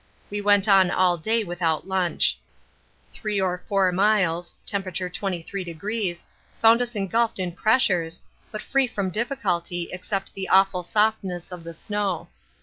We went on all day without lunch. Three or four miles (T. 23°) found us engulfed in pressures, but free from difficulty except the awful softness of the snow.